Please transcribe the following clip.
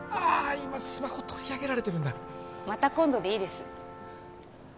今スマホ取り上げられてるんだまた今度でいいです